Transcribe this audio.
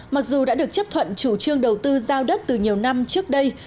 mặc dù đã được chấp thuận chủ trương đầu tư giao đất từ nhiều năm trước đây